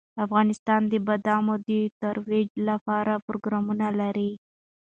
افغانستان د بادام د ترویج لپاره پروګرامونه لري.